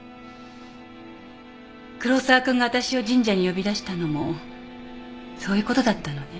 黒沢君がわたしを神社に呼び出したのもそういうことだったのね。